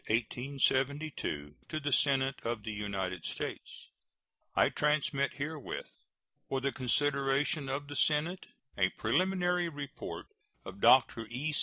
To the Senate of the United States: I transmit herewith, for the consideration of the Senate, a preliminary report of Dr. E.